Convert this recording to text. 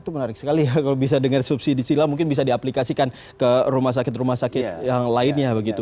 itu menarik sekali ya kalau bisa dengan subsidi silang mungkin bisa diaplikasikan ke rumah sakit rumah sakit yang lainnya begitu